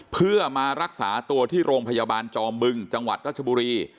เพื่อมารักษาตัวที่โรงพยาบาลจอมบึงจังหวัดรัชบุรี